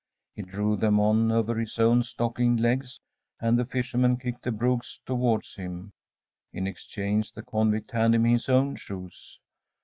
He drew them on over his own stockinged legs, and the fisherman kicked the brogues towards him. In exchange the convict handed him his own shoes.